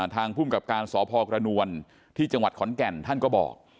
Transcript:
ภูมิกับการสพกระนวลที่จังหวัดขอนแก่นท่านก็บอก